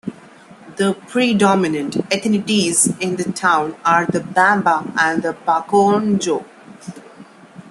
The predominant ethnicities in the town are the Bamba and the Bakonjo.